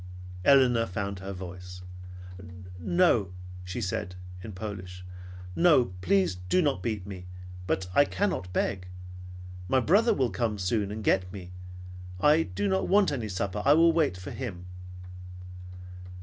Elinor found her voice. "No," she said in Polish. "No, please do not beat me, but I cannot beg. My brother will come soon and get me. I do not want any supper. I will wait for him."